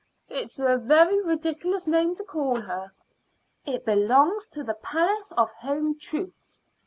"It is a very ridiculous name to call her." "It belongs to the Palace of Home Truths.